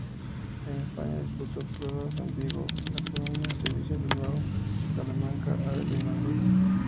En España disputó pruebas en Vigo, La Coruña, Sevilla, Bilbao, Salamanca, Ávila y Madrid.